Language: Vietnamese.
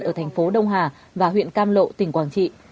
ở thành phố đông hà và huyện cam lộ tỉnh quảng trị